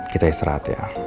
kita istirahat ya